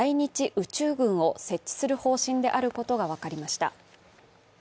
宇宙軍を設置する方針であることが分かりました。